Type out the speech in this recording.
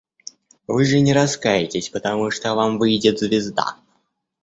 Вы же не раскаетесь, потому что вам выйдет звезда.